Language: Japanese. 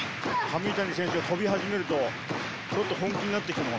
上谷選手が跳び始めるとちょっと本気になって来たかな。